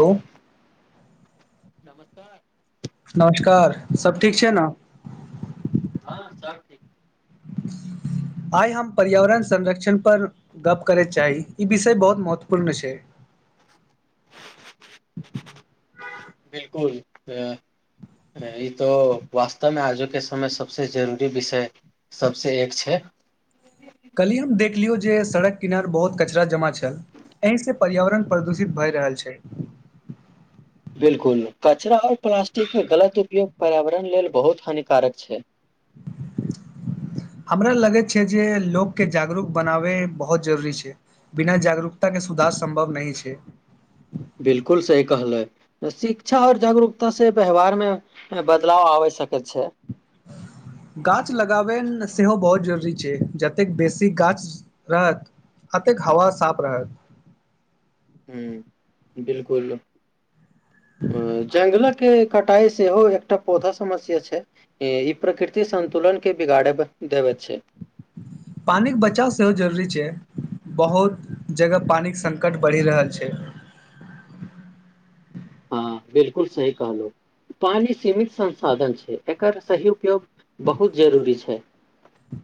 हो नमस्कार नमस्कार सभ ठीक छै न हँ सब ठीक छै [unintelligible] आइ हम पर्यावरण संरक्षणपर गप्प करय चाही ई विषय बहुत महत्वपूर्ण छै [unintelligible] बिलकुल अ ई तो वास्तवमे आजुके समय सबस जरूरी विषय सबस एक छै [inaudible] कली हम देखलियौ जे सड़क किनार बहुत कचरा जमा छल एहि से पर्यावरण प्रदूषित भए रहल छै बिलकुल कचरा आऔर प्लास्टिक के गलत उपयोग पर्यावरण लेल बहुत हानिकारक छै हमरा लगे छै जे लोक के जागरूक बनावे बहुत जरूरी छै बिना जागरूकता के सुधार सम्भव नहि छै बिलकुल सही कहलै शिक्षा आऔर जागरूकता से व्यवहार मे बदलाव आबै सके छै गाछ लगाबेन सेहो बहुत जरूरी छै जतेक बेसी गाछ रहत अतेक हवा साफ रहत [inaudible] ह बिलकुल जङ्गलक के कटाई सेहो एकटा पौधा समस्या छै ई प्रकृति संतुलन के बिगाड़े देबै छै पानिके बचाव सेहो जरूरी छै बहुत जगह पानिक संकट बढ़ि रहल छै हँ बिल्कुल सही कहलहु पानि सीमित संसाधन छै एकर सही उपयोग बहुत जरूरी छै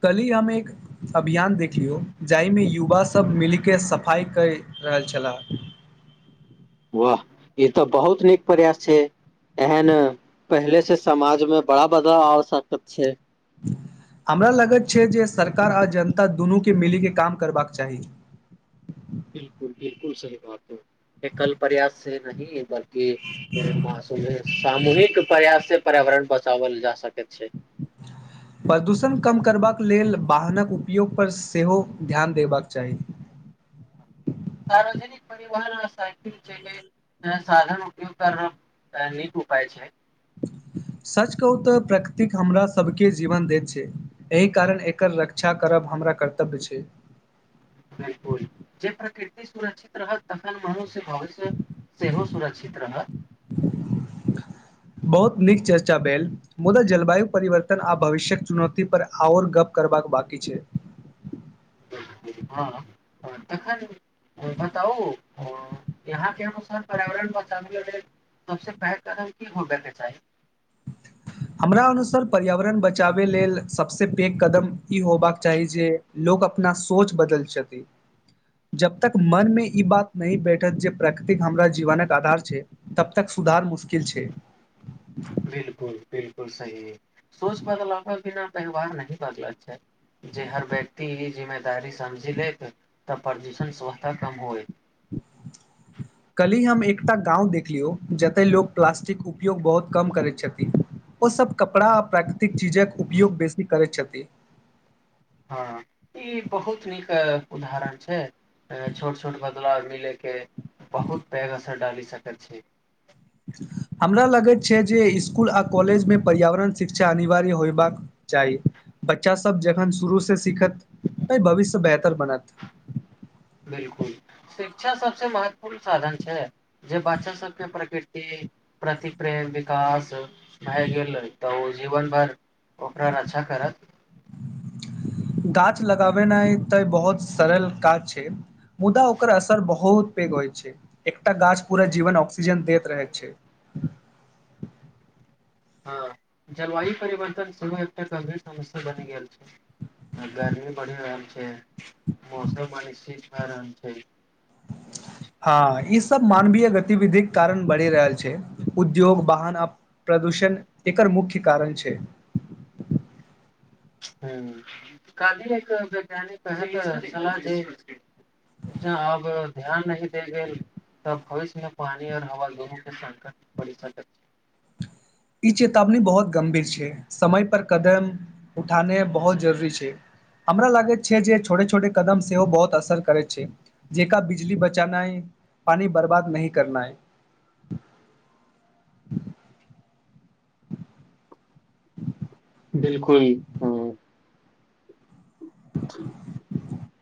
कल्हि हम एक अभियान देख लियौ जाहिमे युवा सभ मिलके सफाइके रहल छलाह वाह ई तऽ बहुत नीक प्रयास छै एहन पहले से समाज में बड़ा बदला आवश्यक छै [unintelligible] हमरा लागत छै जे सरकार आ जनता दुनूके मिलीके काम करबाक चाही बिलकुल बिलकुल सही बात एकल प्रयास से नहि बल्कि मासोमे सामूहिक प्रयास से पर्यावरण बचावल जा सकैत छै [unintelligible] प्रदूषण कम करबाक लेल वाहनक उपयोगपर सेहो ध्यान देबाक चाही [unintelligible] सार्वजनिक परिवहन साइकिल छै साधन उपयोग करब नीक उपाय छै [unintelligible] सच कहू तऽ प्रकृतिक हमरा सबके जीवन दैत छै एहि कारण एकर रक्षा करब हमरा कर्तव्य छै बिल्कुल जे प्रकृति सुरक्षित रहत तखन मनुष्य भविष्य सेहो सुरक्षित रहत [unintelligible] बहुत नीक चर्चा भेल मुदा जलवायु परिवर्तन आ भविष्यक चुनौती पर आओर गप करबाक बाकी छै हँ तन ओ बताओ यहाँके अनुसार पर्यावरण बचाब सबसे पैघ कारण की होबे के चाही [unintelligible] हमरा अनुसार पर्यावरण बचावे लेल सबस पैघ कदम ई होबाक चाही जे लोग अपना सोच बदल जेतै जब तक मनमे ई बात नहि बैठत जे प्रकृतिक हमरा जीवनक आधार छै तबतक सुधार मुश्किल छै बिलकुल बिलकुल सही सोच बदलाव के बिना त्योहार नहि बदला छै जे हर व्यक्ति इ जिमे दारी समझी लेत तब प्रदूषण स्वस्थः कम होए कल्हि हम एकटा गाउ देखलियौ जतय लोक प्लास्टिक उपयोग बहुत कम करैत छथिन ओसभ कपड़ा आ प्राकृतिक चीजक उपयोग बेसी करैत छथि हँ ई बहुत नीक उदाहरण छै छोट छोट बदलाव मिले के बहुत पैघ असर डाली सकैत छै [unintelligible] हमरा लगैत छै जे स्कुल आ कॉलेज में पर्यावरण शिक्षा अनिवार्य होयबाक चाही बच्चासभ जखन शुरूसँ सीखत एहि भविष्य बेहतर बनत बिल्कुल शिक्षा सबसे महत्वपूर्ण साधन छै जे बच्चा सबके प्रकृति प्रतिक्रिया विकास भाहर गेलल तऽ ओ जीवन भर ओकरा रक्षा करत गाछ लगाबेनाइ तऽ बहुत सरल काज छै मुदा ओकर असर बहुत पैघ होइत छै एकटा गाछ पूरा जीवनऑक सीजन दैत रहैत छै हँ जलवायु परिवर्तन सेहो एकटा गभीर समस्या बनि गेल छै गर्मी बढ़ि रहल छै मौसम अनिश्चित भ रहल छै [inaudible] हँ ई सब मानवीय गतिविधिके कारण बढ़ि रहल छै उद्योग वाहन प्रदूषण एकर मुख्य कारण छै ह की एक वैज्ञानिक पल ज आब ध्यान नहि दे गेल त भविष्य मे पानी आऔर हवा दुोनू संकट पड़ि सकैत छै [inaudible] ई चेतावनी बहुत गंभीर छै समय पर कदम उठाने बहुत जरूरी छै हमरा लागैत छै जे छोटे छोटे कदम सेहो बहुत असर करैत छै जेकरा बिजली बचानाइ पानि बर्बाद नहि करनाय बिलकुल हँ [inaudible]